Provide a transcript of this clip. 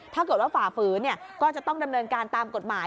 ถ้าเกิดว่าฝ่าฝืนก็จะต้องดำเนินการตามกฎหมาย